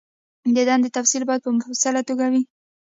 د دندې تفصیل باید په مفصله توګه وي.